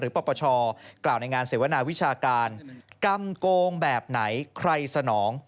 ปปชกล่าวในงานเสวนาวิชาการกรรมโกงแบบไหนใครสนอง